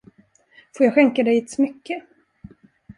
Får jag skänka dig ett smycke?